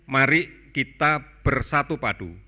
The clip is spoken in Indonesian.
mari kita bersatu padu